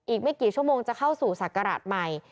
อีกไม่กี่ชั่วโมงจะเข้าสู่ศักราชใหม่